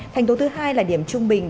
thành tố thứ hai là điểm trung bình